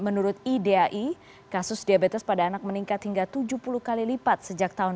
menurut idai kasus diabetes pada anak meningkat hingga tujuh puluh kali lipat sejak tahun dua ribu